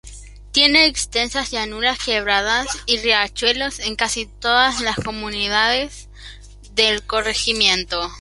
Tiene extensas llanuras, Quebradas y riachuelos en casi todas las comunidades del corregimiento.